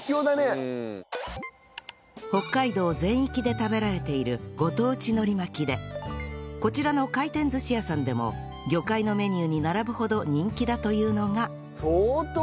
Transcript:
北海道全域で食べられているご当地海苔巻きでこちらの回転寿司屋さんでも魚介のメニューに並ぶほど人気だというのが